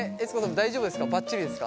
大丈夫ですか？